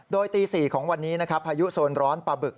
โดยตี๔ของวันนี้นะครับพายุโซนร้อนปลาบึก